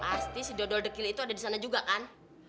pasti si dodol dekili itu ada di sana juga kan